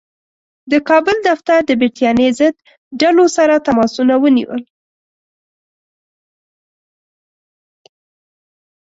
د کابل دفتر د برټانیې ضد ډلو سره تماسونه ونیول.